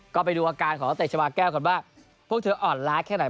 ก็ไปดูอาการของนักเตะชาวาแก้วก่อนว่าพวกเธออ่อนล้าแค่ไหน